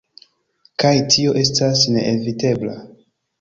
Kaj tio estas neevitebla.